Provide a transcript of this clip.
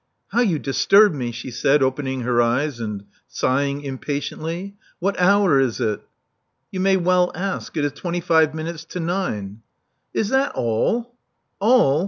How you disturb me!" she said, opening her eyes, and sighing impatiently. What hour is it?" You may well ask. It is twenty five minutes to nine," Is that all?"